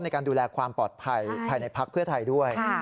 ในการดูแลความปลอดภัยภายในพักเพื่อไทยด้วย